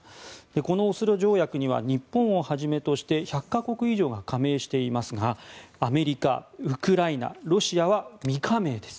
このオスロ条約には日本をはじめとして１００か国以上が加盟していますがアメリカ、ウクライナロシアは未加盟です。